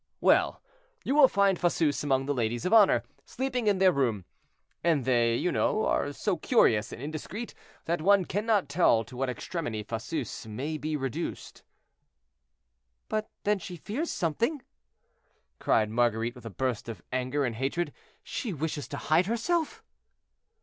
"Well! you will find Fosseuse among the ladies of honor, sleeping in their room; and they, you know, are so curious and indiscreet that one cannot tell to what extremity Fosseuse may be reduced." "But then she fears something," cried Marguerite, with a burst of anger and hatred; "she wishes to hide herself."